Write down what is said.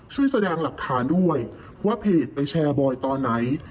ช่วยแสดงหลักฐานด้วยว่าเพจไปแชร์บอยตอนไหน